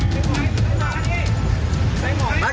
มีประวัติศาสตร์ที่สุดในประวัติศาสตร์